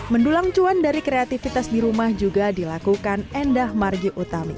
mendulang cuan dari kreativitas di rumah juga dilakukan endah margi utami